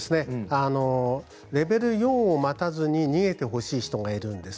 レベル４を待たずに逃げてほしい人がいるんです。